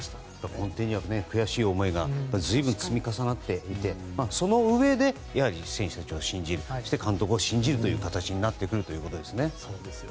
根底には悔しい思いが積み重なっていてそのうえで選手たちを信じる監督を信じるという形になってくるということですね。